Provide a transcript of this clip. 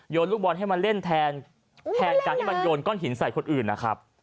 ลูกบอลให้มาเล่นแทนการที่มันโยนก้อนหินใส่คนอื่นนะครับ